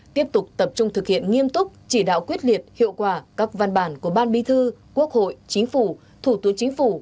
tiếp tục tập trung thực hiện nghiêm túc chỉ đạo quyết liệt hiệu quả các văn bản của ban bí thư quốc hội chính phủ thủ tướng chính phủ